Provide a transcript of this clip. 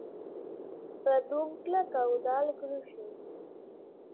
Peduncle caudal gruixut.